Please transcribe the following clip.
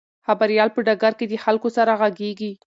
خبریال په ډګر کې د خلکو سره غږیږي.